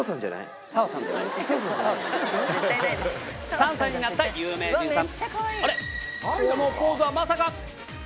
３歳になった有名人さん。